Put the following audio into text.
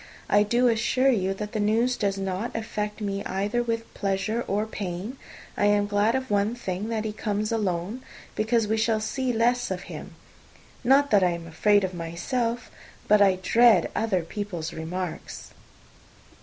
I do assure you that the news does not affect me either with pleasure or pain. I am glad of one thing, that he comes alone; because we shall see the less of him. Not that I am afraid of myself, but I dread other people's remarks."